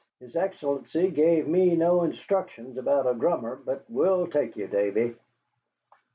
His Excellency gave me no instructions about a drummer, but we'll take you, Davy."